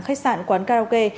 khách sạn quán karaoke